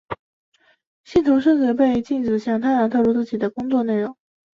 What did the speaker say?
信徒甚至被禁止向他人透露自己的工作内容。